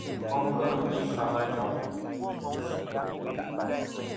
Kom kel mɨ̀nchi fama a njoŋ.